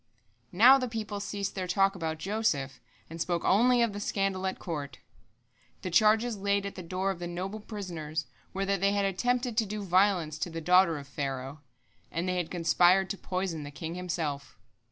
Now the people ceased their talk about Joseph, and spoke only of the scandal at court. The charges laid at the door of the noble prisoners were that they had attempted to do violence to the daughter of Pharaoh, and they had conspired to poison the king himself.